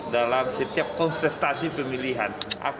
dalam setiap konsentrasi pemilihan